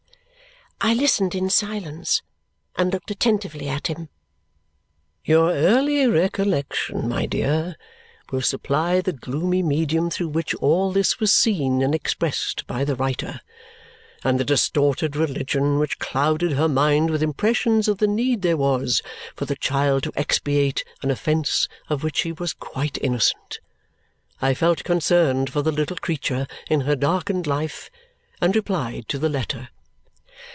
I listened in silence and looked attentively at him. "Your early recollection, my dear, will supply the gloomy medium through which all this was seen and expressed by the writer, and the distorted religion which clouded her mind with impressions of the need there was for the child to expiate an offence of which she was quite innocent. I felt concerned for the little creature, in her darkened life, and replied to the letter."